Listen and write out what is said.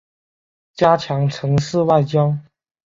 加强城市外交